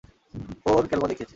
ও ওর ক্যালমা দেখিয়েছে!